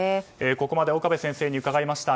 ここまで岡部先生に伺いました。